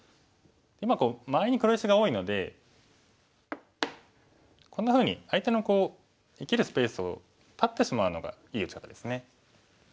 今周りに黒石が多いのでこんなふうに相手の生きるスペースを断ってしまうのがいい打ち方ですね。